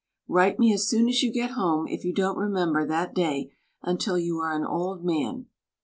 Write me as soon as you get home if you don't remem ber that day until you are an old man.